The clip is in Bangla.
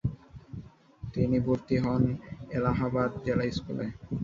তিনি ভর্তি হন এলাহাবাদ জেলা স্কুলে।